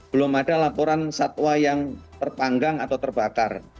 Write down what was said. belum ada laporan satwa yang terpanggang atau terbakar